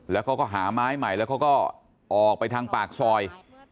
แล้วเขาก็หาไม้ใหม่แล้วเขาก็ออกไปทางปากซอย